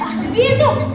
ada asli dia tuh